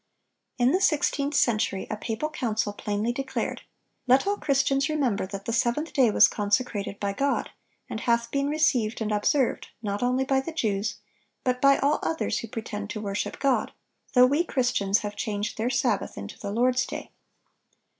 In the sixteenth century a papal council plainly declared: "Let all Christians remember that the seventh day was consecrated by God, and hath been received and observed, not only by the Jews, but by all others who pretend to worship God; though we Christians have changed their Sabbath into the Lord's day."